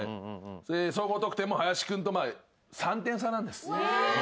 総合得点も林君と３点差なんです。